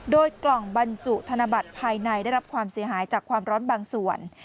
โดยกล่องบรรจุธนบัตรภายในได้รับความเสียหายจากความร้อนบางส่วน